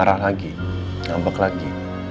marah lagi ngambek lagi